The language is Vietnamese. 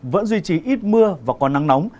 vẫn duy trì ít mưa và có nắng nóng